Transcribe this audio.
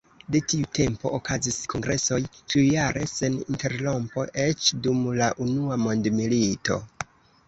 De tiu tempo okazis kongresoj ĉiujare sen interrompo, eĉ dum la Unua Mondmilito.